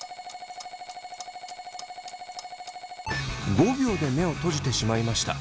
５秒で目を閉じてしまいました。